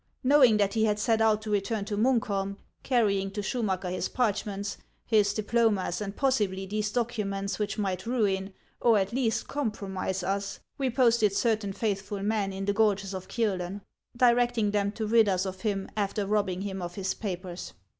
Knowing that he had set out to return to Munk holm, carrying to Schumacker his parchments, his diplomas, and possibly these documents which might ruin, or at least compromise us, we posted certain faithful men in the gorges of Kiolen, directing them to rid us of him, after robbing him of his papers.